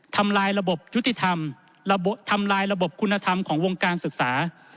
ทำลายระบบยุติธรรมทำลายระบบคุณธรรมของวงการศึกษา